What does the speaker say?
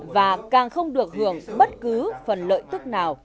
và càng không được hưởng bất cứ phần lợi tức nào